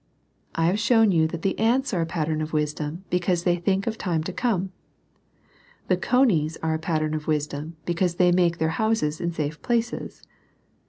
I have shown you that the ants are a pattern of wisdom, because they think of time to come. The conies are a pat tern of wisdom, because they make their houses in safe places.